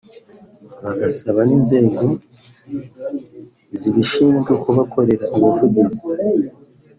bagasaba n’inzego zibishinzwe kubakorera ubuvugizi